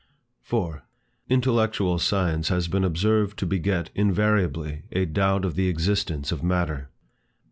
4. Intellectual science has been observed to beget invariably a doubt of the existence of matter.